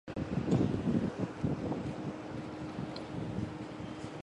牵引发电机是一台独立励磁的无刷交流发电机。